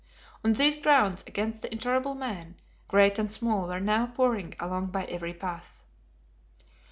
On these grounds, against the intolerable man, great and small were now pouring along by every path.